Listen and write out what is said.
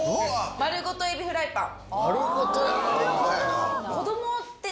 丸ごとエビフライパン。